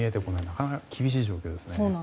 なかなか厳しい状況ですね。